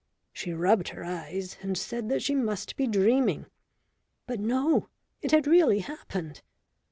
She rubbed her eyes and said that she must be dreaming. But no, it had really happened.